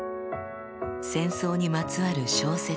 戦争にまつわる小説